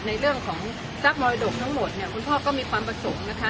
ในเรื่องของซากมรดกทั้งหมดเนี่ยคุณพ่อก็มีความประสงค์นะคะ